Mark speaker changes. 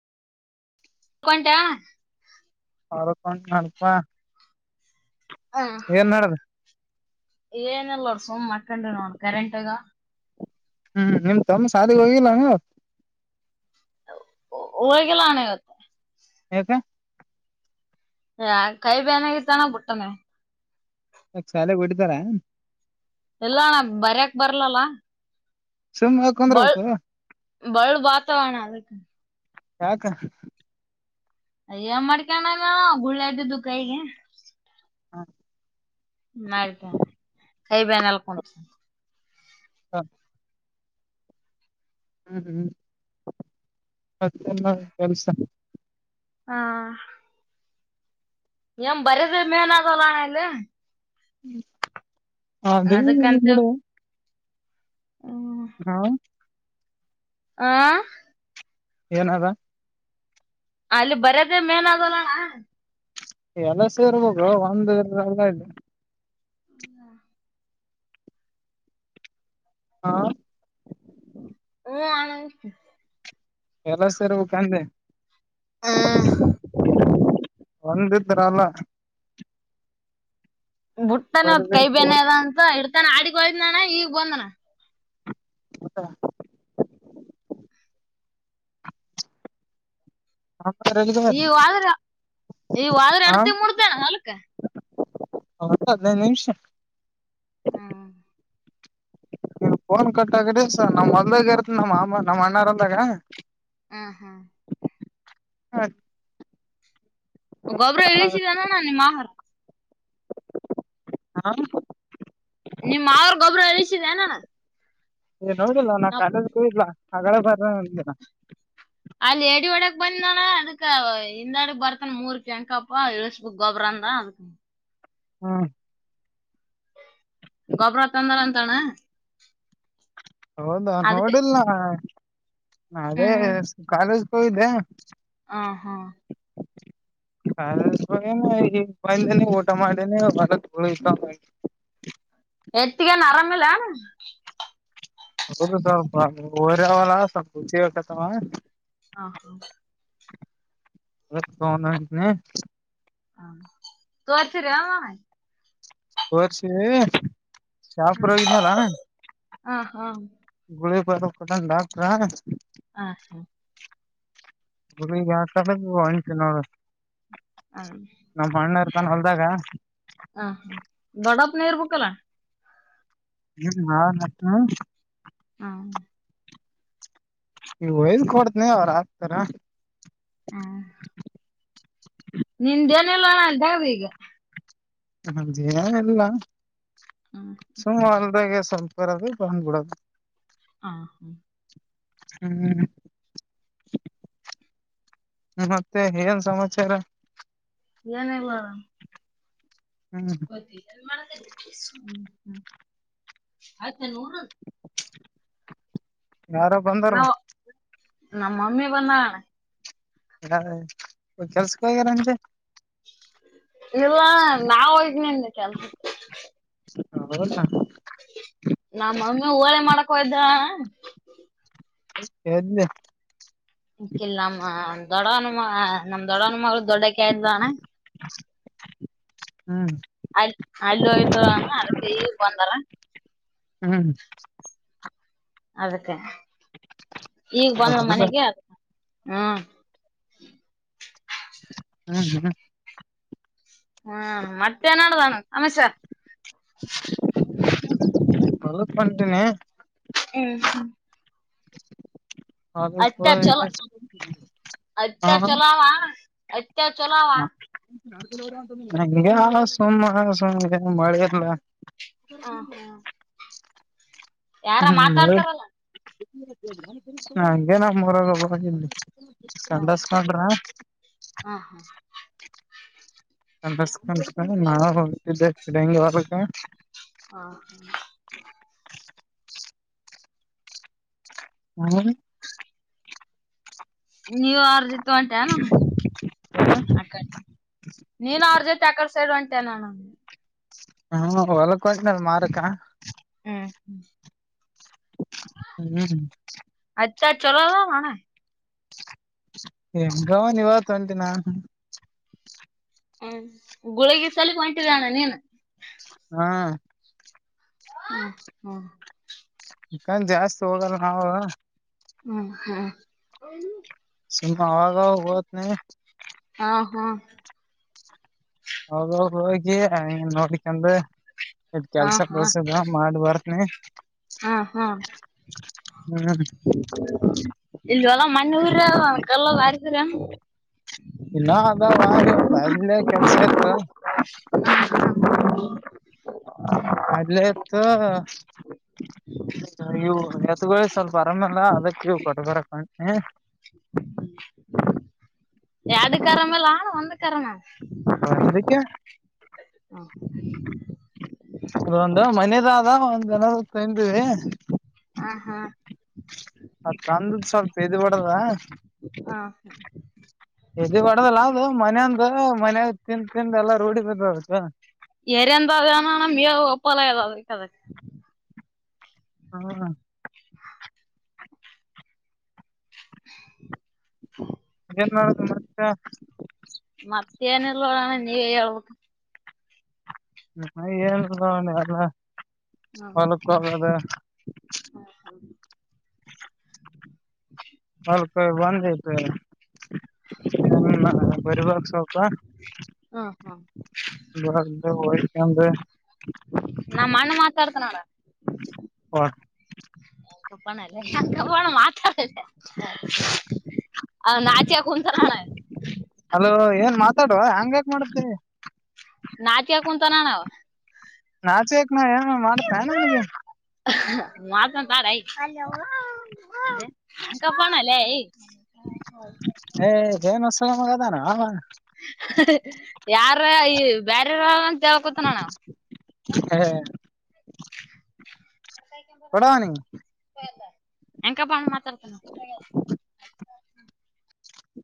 Speaker 1: ಕೊಂಂತಾ
Speaker 2: ಅವರಕೊಂಡ ನಡಪಾ
Speaker 1: ಹ ಹಾ
Speaker 2: ಏನ್ ನಡದ
Speaker 1: ಏನಲ್ಲರು ಸಮ ಮಕೊಂಡ ನಣ ಕರೆಂಟಾಗ
Speaker 2: ಹ್ಮ್ ನಿಮ್ ತಮ್ಮ ಸಾದಿಗೆ ಹೋಗಿಲ್ಲಂಗ
Speaker 1: ಹಳಗೆಲ್ಲಾಣ ಇಗತ್ತೆ
Speaker 2: ಹತ
Speaker 1: ಯ ಕೈ ಬನತ್ತಾನ ಪುಟ್ಟಮ
Speaker 2: ಶಾಲೆೆಗೆ ಹೊಡಿತಾರ
Speaker 1: ಎಲ್ಲಣ್ಣ ಬರಯಕ್ ಬರ್ಲಲ್ಲ
Speaker 2: ಸುಮ್ ಯಾಕ್
Speaker 1: ಬಳ್
Speaker 2: ಕುಂದ್ರಬೇಕು
Speaker 1: ಬಳ್ ವಾತಾವರಣ ಅದ
Speaker 2: ಹಕ
Speaker 1: ಅಯ ಮಾಡ್ಕಣಾನ ಗುಳ್ಳ ಇದ್ದಿದ್ದು ಕೈಗೆ
Speaker 2: ಹ
Speaker 1: ನ್ತ ಕೈ ಬನ್ ಎಲ್ಲಕ
Speaker 2: ಹಾ ಹ್ಮ್ ಹ್ಮ್ ಮತ್ತ ಕೆಲ್ಸ
Speaker 1: ಹಾ ಎ ಬರೇಸ ಮನಾಾಗಲ್ಲಾನಲ್ಲ
Speaker 2: ಹ ಅದೇ ಕೂಡ
Speaker 1: ಹ
Speaker 2: ಹ್ಮ
Speaker 1: ಆ
Speaker 2: ಏನವಾ
Speaker 1: ಅಲ್ಲಿ ಬರ್ಯದೇ ಮೇನ್ ಆಗಲ್ಲ
Speaker 2: ಎಲ್ಲ ಸೇರ್ಬೇಕು ಒಂದಲ್ಲ ಇದೆ
Speaker 1: ಹ್ಮ
Speaker 2: ಹಾ
Speaker 1: ಆ
Speaker 2: ಎಲ್ಲ ಸರಿ ಹ ಕಂದೆ
Speaker 1: ಹ
Speaker 2: ಒಂದಿದ್ರಲ್ಲ
Speaker 1: ಬಿಟ್ತಾನತ್ ಕೈ
Speaker 2: ಬರಿಬೇಕು
Speaker 1: ಬೆೇನೆ ಅದ ಅಂತ ಇಡ್ತಾನ ಆಡಗ ಒಯ್ದನಾನ ಈಗಗ್ ಬಂದನ
Speaker 2: ಹ
Speaker 1: [inaudible] ಈವಾದ್ರೆ ಇವಾದ್ರೆ ಅಡ್ತಿ ಮೂಡ್ತೇನ ನಾಲ್ಕ
Speaker 2: ಹೌದ ಹದಿನೈದು ನಿಮಿಷ
Speaker 1: ಹ್ಮ
Speaker 2: ನೀನ್ ಫೋನ್ ಕಟ್ಟಕ್ರಿ ಸ ನಮ್ ಮೊದ್ಲಾಗ ಇರತ್ತ ನಮ್ಮ ಮಾಮ ನಮ್ಮ್ ಅಣ್ಣಾರಂದಾಗ
Speaker 1: ಹ್ಮ ಹಾ್
Speaker 2: ಹ್ಮ
Speaker 1: ಗೊಬ್ಬರ ಇಳಿಸಿಣ ಅ ಮಾಹಾರ
Speaker 2: ಹಾ
Speaker 1: ನಿಮ್ಮ್ ಅವ್ರ ಗೊಬರ ಇಿಸಿದ್ದ ನಾನ
Speaker 2: ಏ ನೋಡಿಿಲ್ಲ ನಾ ಕಾಲದಕ್ಕೂ ಇಲ ಹಾಗಗಡೆ ಬರ
Speaker 1: ಅಲ್ಲಿ ಎಡಿ ಒಡೆಕ್ ಬಂದ್ ನನ ಅದಕ್ ಹಿಂದಾಡಗ್ ಬರ್ತಾನ ಮೂರ್ ಕೆಂಕಪ್ಪ ಇಳಸ್ಬ ಗೊಬ್ರ ಅಂತ ಅ
Speaker 2: ಹ್ಮ
Speaker 1: ಗೊಬ್ಬರ ತಂದ್ರರಾತಣ್ಣ
Speaker 2: ಹೌದಾ ನೋಡಿಲ್ಲ ಅದೇ
Speaker 1: ಹ್ಮ್
Speaker 2: ಕಾಲೇಜ್ಗೆ ಹೋಗಿದ್ದೆ
Speaker 1: ಹ ಹಾ
Speaker 2: ಕಾಲೇಜು ಹೋಗಿನಿ ಈಗ ಬಂದೀನಿ ಊಟ ಮಾಡೀನಿ [unintelligible]
Speaker 1: ಎತ್ತಗೇನು ಹರಾಮಿಲೇನು
Speaker 2: [unintelligible] ಹೋರಿ ಅವಲ್ಲ ಸ್ವಲ್ಪ ಹುಚ್ಕಕಾತವ
Speaker 1: ಹ ಹಾ
Speaker 2: ಎ [unintelligible] [unintelligible]
Speaker 1: ಹಾ ತೋರ್ಸಿರಾ
Speaker 2: ತೋರ್ಸಿ ಶಾಪುರ್
Speaker 1: ಹ
Speaker 2: ಹೋಗಿದ್ನಲ್ಲ
Speaker 1: ಹಾ
Speaker 2: ಗುಳಿಗೆ ಕೊಟ್ಟಾನ ಡಾಕ್ಟ್ರ
Speaker 1: ಹ ಹಾ
Speaker 2: [unintelligible]
Speaker 1: ಅ
Speaker 2: ನಮ್ ಅಣ್ಣ ಇರ್ತಾನ ಹೊಲ್ದಾಗ
Speaker 1: ಹಾ ಅ ಹಾ ದೊಡ್ಡಪ್ಪ ಇರ್ಬೇಕಲ್ಲ
Speaker 2: [unintelligible]
Speaker 1: ಹಾ
Speaker 2: ನೀವು ಹಿಂಟ್ ಕೊಡ್ತೀನಿ ಅವ್ರ ಆಕ್ತಾರ
Speaker 1: ನಿಂದು ಏನಿಲ್ಲ ಅಣ್ಣ [unintelligible]
Speaker 2: ನಂದು ಏನಿಲ್ಲ
Speaker 1: ಹ್ಮ್
Speaker 2: ಸುಮ್ ಅಂದಗೆ ಬಂದುಬಿಡೋದು
Speaker 1: ಹ ಹಾ
Speaker 2: ಹ್ಮ್ ಮತ್ತೆ ಏನ್ ಸಮಾಚಾರ
Speaker 1: ಏನಿಲ್ಲ ಅಣ್ಣ
Speaker 2: ಹ್ಮ್
Speaker 1: ತಆಯ್ತಾ ನೋಡ್
Speaker 2: ಯಾರ ಬಂದಾರ
Speaker 1: ನಮ್ಮಮ್ಮಿ ಬಂದ ಅಣ್ಣ
Speaker 2: ಹ ಕೆಲ್ಸಕ್ಕೆ ಹೋಗ್ಯಾನ್ ಅಂದ್ರಿ
Speaker 1: ಇಲ್ಲ ಅಣ್ಣ ನಾನ್ ಹೋಗಿನಿ ಅಂದೇ ಕೆಲಸಕ್ಕೆ
Speaker 2: [unintelligible]
Speaker 1: ನಮ್ಮ ಮಮ್ಮಿ ಓಳೆ ಮಾಡಕ್ ಹೋಗಿದ್ಲು ಅಣ್ಣ
Speaker 2: ಎಲ್ಲಿ
Speaker 1: ಇಲ್ಲಿ ನಮ್ಮ್ ದೊಡ್ಡ ನಮ್ ದೊಡ್ಡ ಮಗಳು ದೊಡ್ಡಾಕಿ ಅಂದ್ಲು ಅಣ್ಣ
Speaker 2: [inaudible]
Speaker 1: ಅಲ್ಲಿ ಹೋಗಿದ್ರು ಅಣ್ಣ ಅದಕ್ಕೆ ಈ ಬಂದಾರ
Speaker 2: ಹ್ಮ್
Speaker 1: ಅದಕ್ಕೆ ಈಗ ಬಂದರಾ
Speaker 2: ಹೌದಾ
Speaker 1: ಮನೆಗೆ ಅದ ಹ್ಮ
Speaker 2: ಹ್ಮ್ ಹ್ಮ್
Speaker 1: ಹ್ಮ್ ಮತ್ ನೆಡೆದದನ್ನ ಸಮಾಚಾರ
Speaker 2: ಹೊಲಕ್ ಬಂದೀನಿ
Speaker 1: ಹ್ಮ ಹ್ಮ್
Speaker 2: ಹೊಲಕೆ ಹೋಗಿನಿ
Speaker 1: ಅತ್ಯಾ ಚಲೋ ಅವ ಅತ್ಯ ಚಲೋ ಅವ
Speaker 2: ನಂಗೆ ಸುಮ್ಮ ಸುಮ್ಮ ಇದೀನಿ ಮಳೆ ಇಲ್ಲ
Speaker 1: ಹ್ಮ್ ಹ್ಮ್ ಯಾರ ಮಾತಾಡ್ತಾರಲ್ಲ
Speaker 2: ನಂಗೆ ನಮ್ಮಊರಲ್ಲಿ ಒಬ್ಬ
Speaker 1: ಹ್ಮ್
Speaker 2: ಸಂಡಸ್ಕೊಂಡ್ರ
Speaker 1: ಹ್ಮ್ ಹ್ಮ್
Speaker 2: ಕ ಕನ್ ನಾವ ಹೋಗ್ತಿದ್ದೆ ಡಂಗ್ ವರ್ಗ
Speaker 1: ಹಾ ಹಾ
Speaker 2: ಶು ಸು ಹ್ಮ್
Speaker 1: ನೀವು ಯಾರ್ ಅ ಅ ನೀನು ಅವರು ಜೈತೆ ಅಡೆ ಸೆಡ್ ಒ ಟನ್ ಆನ
Speaker 2: ಹ್ಮ ಹೊಲಕ್ಕ ಕೊಟನಲ್ ಮಾರಕ
Speaker 1: ಹ್ಮ ಹ್ಮ
Speaker 2: ಹ
Speaker 1: ಎತ್ತಾ ಚಲಲ್ಲ ನಣ
Speaker 2: ಏ ಗವ ನೀವತ ಒಂಟಿನ
Speaker 1: ಹ್ಮ್ ಗುಳಗಿ ಸಲಪ ಹೊಟ್ಟಿದ್ದಾನ ನೀನು
Speaker 2: ಹಾ
Speaker 1: ಹ್ಮ ಹ್ಮ
Speaker 2: ಕಂದ ಜಾಸ್ತಿ ಹೋಗಲ್ಲ ನಾವವು
Speaker 1: ಹ್ಮ ಹಾ
Speaker 2: ಸಮ ಆಾಗ ಹತ ನೀ
Speaker 1: ಹಾ ಹಾ
Speaker 2: ಹೌದೌ ಹೋಗಿ ನೋಡ್ಿಕಂದು ಇದ್
Speaker 1: ಹಾ
Speaker 2: ಕೆಲ್ಸ
Speaker 1: ಹಾ
Speaker 2: ಪ್ರಳಸದ ಮಾಡ ಬರ್ತನಿ ಹ್ಮ್
Speaker 1: [inaudible] ಇಲ್ಲಿವಲ್ಲ ಮಣ್ಣೂರ ಕಲ್ಲ ವರ್ತರ
Speaker 2: ಇನ್ನ ಅದಾವ ಇವತ್ತು ಅಲ್ಲೇ ಕೆಲ್ಸ ಇತ್ತು
Speaker 1: [inaudible]
Speaker 2: ಅದಲತ್ತು ಹಸಗಳ ಸ್ವಲ್ಪ ಆರಾಮಲ್ಲ ಅದಕ್ಕೆ ಇವು ಕೊಟ್ಟ ಬರ
Speaker 1: ಎಡು ಕರಮಲ್ಲ ಒಂದು ಕರಮ
Speaker 2: ಹ ಎಂದಕ್ಕ
Speaker 1: ಹ
Speaker 2: ಅದೊಂದು ಮನದ ಆದ ಒಂದ್ ಜನ ತೀವಿ
Speaker 1: ಹ ಹಾ
Speaker 2: ಅತ್ ಕಂದದ ಸ್ವಲ್ಪ್ದ ಬಡದ
Speaker 1: ಹ
Speaker 2: ಎದು ಕೊಡದಲ್ಲ ಅದು ಮನ ಅಂದ ಮನಾಗ ತಿಿಂದ ತಿಿಂದ ಎಲ್ಲ ರೂಢಿ ಬದ ಬತ್ತ
Speaker 1: ಎರಂದಾದಣ ನ ಮ ಒಪ್ಪಲ ಯದಾವ್ ಕದ
Speaker 2: ಹ್ಮ
Speaker 1: ಹ
Speaker 2: ಮ
Speaker 1: ಮತ್ತಹಾನೆಳ್ಳವಳಣ ನೀ ಕ ಅವ
Speaker 2: ಹ ಏನ್ ಎಲ್ಲ
Speaker 1: ಹ್ಮ ಹ
Speaker 2: ಹೊಲಕ್
Speaker 1: ಹ್ಮ್
Speaker 2: ಹೋಗದ
Speaker 1: ಹ
Speaker 2: ಬಂದ ಐತೆ ಬರಿಬ
Speaker 1: ಹ್ಮ್ ಹ್ಮ್
Speaker 2: ಒ
Speaker 1: ನಾ ಮಣ್ಣ ಮಾತಾಡ್ತೇ ನೋಡ
Speaker 2: ವ
Speaker 1: ಕಪ್ಪಾನ ಅಲ್ಲ ಕಪ್ಪಾನ ಮಾತ್ರಡ ಅ ನಾಚಿಯ ಕುನ್ಸ ರಾಣ
Speaker 2: ಹಲೋ ಏನ್ ಮಾತಾಡುವ ಹೆಂಗ್ಯಾಾಕ್ ಮಾಡುತ್ತೆ
Speaker 1: ನಾತ್ಗೆ ಕುಂತಾನಣಾವ
Speaker 2: ನಾಚೆಕ್ ನಾ ಏನನ ಮಾಡತ್ನನ ಅವನಿಗೆ
Speaker 1: [unintelligible] [unintelligible]
Speaker 2: ಹೋಗದಾನ ಅವ
Speaker 1: ಯಾರ ಈ ಬ್ಯಾರೆರ ಕೇಳಕುತ್ತನಣಾವ
Speaker 2: ಏ ಕೊಡವನಿಗೆ
Speaker 1: [unintelligible]